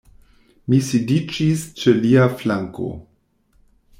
Mi sidiĝis ĉe lia flanko.